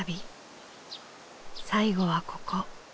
最後はここ。